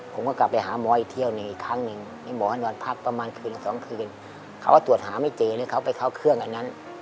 ผมก็กลับไปหาหมออีกเที่ยวหนึ่งอีกครั้งหนึ่งนี่หมอให้นอนพักประมาณคืนสองคืนเขาก็ตรวจหาไม่เจอเลยเขาไปเข้าเครื่องอันนั้น